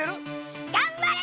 がんばれ！